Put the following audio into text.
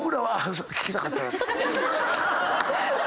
それ聞きたかった。